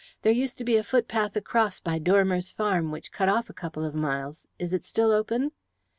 "There used to be a footpath across by Dormer's farm which cut off a couple of miles. Is it still open?"